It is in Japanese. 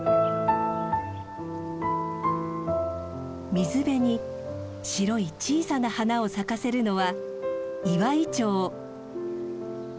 水辺に白い小さな花を咲かせるのはイワイチョウ。